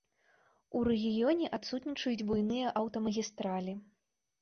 У рэгіёне адсутнічаюць буйныя аўтамагістралі.